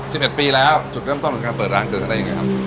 สิบเอ็ดปีแล้วจุดเริ่มต้นของการเปิดร้านก๋วยเตี๋ยวนั้นได้ยังไงครับ